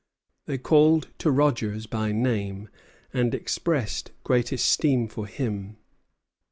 They called to Rogers by name, and expressed great esteem for him.